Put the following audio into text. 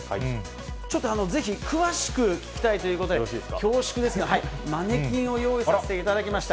ちょっとぜひ詳しく聞きたいということで、恐縮ですが、マネキンを用意させていただきました。